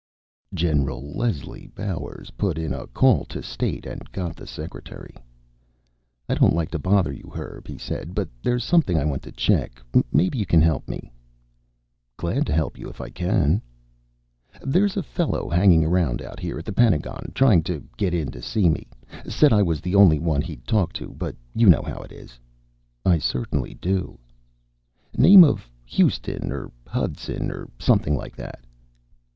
General Leslie Bowers put in a call to State and got the secretary. "I don't like to bother you, Herb," he said, "but there's something I want to check. Maybe you can help me." "Glad to help you if I can." "There's a fellow hanging around out here at the Pentagon, trying to get in to see me. Said I was the only one he'd talk to, but you know how it is." "I certainly do." "Name of Huston or Hudson or something like that."